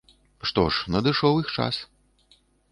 Што ж, надышоў іх час.